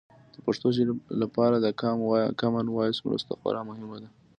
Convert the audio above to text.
د پښتو ژبې لپاره د کامن وایس مرسته خورا مهمه ده.